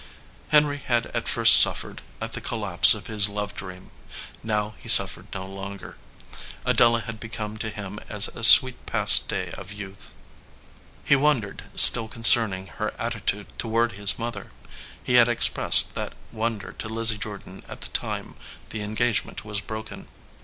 Henry had at first suffered at the collapse of his love dream. Now he suffered no longer. Adela had become to him as a sweet past day of youth. He wondered still concerning her attitude toward his mother. He had expressed that wonder to Lizzie Jordan at the time the engagement was broken.